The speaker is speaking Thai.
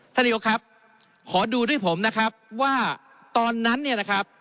ท่านนายกครับขอดูด้วยผมนะครับว่าตอนนั้นนะครับ